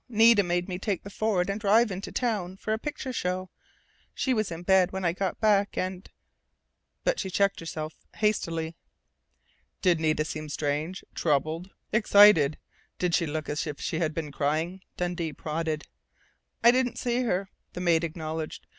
Nita made me take the Ford and drive into town for a picture show. She was in bed when I got back, and " but she checked herself hastily. "Did Nita seem strange troubled, excited? Did she look as if she'd been crying?" Dundee prodded. "I didn't see her," the maid acknowledged.